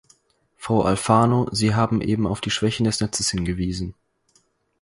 Frau Alfano, Sie haben eben auf die Schwächen des Netzes hingewiesen.